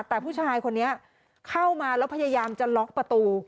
แต่ผู้ชายคนนี้เข้ามาแล้วพยายามจะล็อกประตู